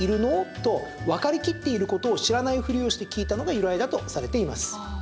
とわかりきっていることを知らないふりをして聞いたのが由来だとされています。